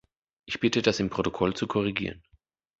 Ich bitte, das im Protokoll zu korrigieren.